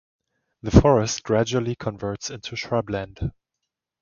The forest gradually converts into shrub land.